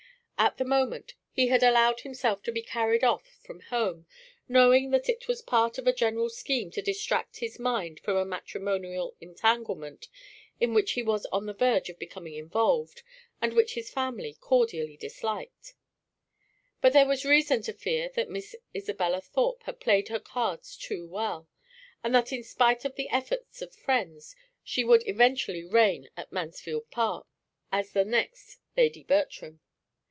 At the moment, he had allowed himself to be carried off from home, knowing that it was part of a general scheme to distract his mind from a matrimonial entanglement in which he was on the verge of becoming involved, and which his family cordially disliked; but there was reason to fear that Miss Isabella Thorpe had played her cards too well, and that in spite of the efforts of friends she would eventually reign at Mansfield Park as the next Lady Bertram.